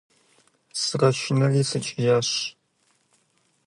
Сыкъэшынэри, сыкӀиящ.